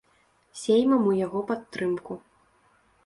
Сеймам у яго падтрымку.